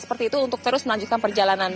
seperti itu untuk terus melanjutkan perjalanan